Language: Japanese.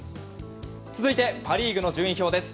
続いてパ・リーグの順位表です。